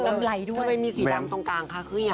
เข็มไหลด้วย